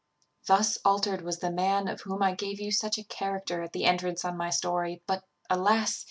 "Thus altered was the man of whom I gave you such a character at the entrance on my story; but, alas!